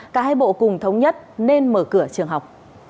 cả hai bộ cùng thống nhất nên mở cửa trường học